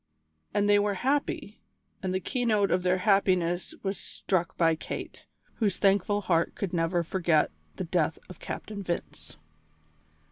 And they were happy, and the keynote of their happiness was struck by Kate, whose thankful heart could never forget the death of Captain Vince.